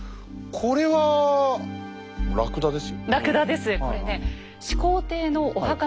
これはラクダです。